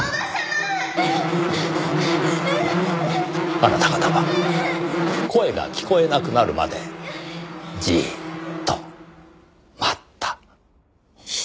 あなた方は声が聞こえなくなるまでじーっと待った。